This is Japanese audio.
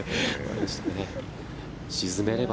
沈めれば。